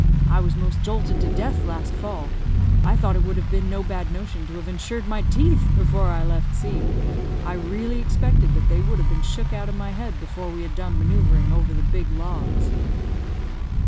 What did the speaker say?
I was 'most jolted to death last fall; I thought it would have been no bad notion to have insured my teeth before I left C . I really expected that they would have been shook out of my head before we had done manoeuvring over the big logs."